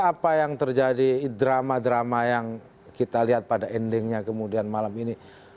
apa yang terjadi drama drama yang kita lihat pada endingnya kemudian malam ini